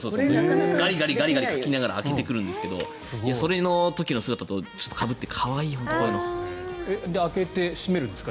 ガリガリかきながら開けてくるんですけどその時の姿とかぶって開けて閉めるんですか？